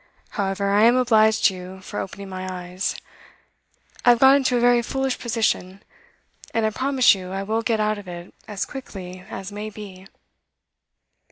However, I am obliged to you for opening my eyes. I have got into a very foolish position, and I promise you I will get out of it as quickly as may be.